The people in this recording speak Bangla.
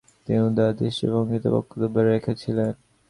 তিনি উদার দৃষ্টিভঙ্গিতে বক্তব্য রেখেছিলেন।